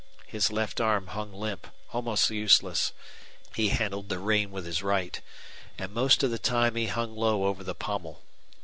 His left arm hung limp, almost useless; he handled the rein with his right; and most of the time he hung low over the pommel.